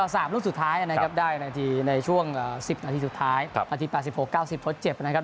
เวลาสามรุ่นสุดท้ายนะครับได้ในช่วงสิบนาทีสุดท้ายนาทีประสิบหกเก้าสิบทศเจ็บนะครับ